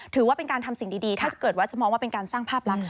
ถือว่าเป็นการทำสิ่งดีถ้าเกิดว่าจะมองว่าเป็นการสร้างภาพลักษ